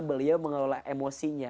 beliau mengelola emosinya